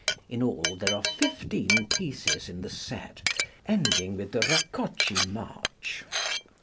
In all there are fifteen pieces in the set, ending with the "Rakoczy March."